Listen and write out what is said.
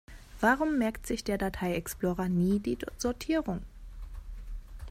Warum merkt sich der Datei-Explorer nie die Sortierung?